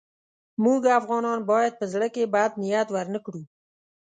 موږ افغانان باید په زړه کې بد نیت ورنه کړو.